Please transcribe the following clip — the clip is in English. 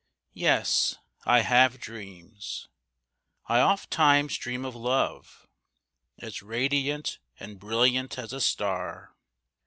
Yes, I have dreams. I ofttimes dream of Love As radiant and brilliant as a star.